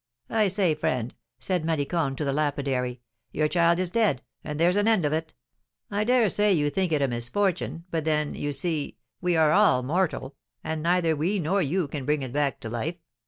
"I say, friend," said Malicorne to the lapidary, "your child is dead, and there's an end of it! I dare say you think it a misfortune; but then, you see, we are all mortal, and neither we nor you can bring it back to life.